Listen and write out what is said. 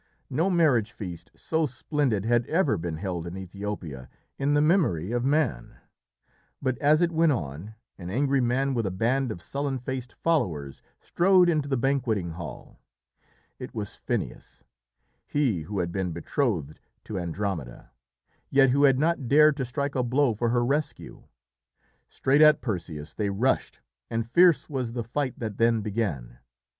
No marriage feast so splendid had ever been held in Ethiopia in the memory of man, but as it went on, an angry man with a band of sullen faced followers strode into the banqueting hall. It was Phineus, he who had been betrothed to Andromeda, yet who had not dared to strike a blow for her rescue. Straight at Perseus they rushed, and fierce was the fight that then began.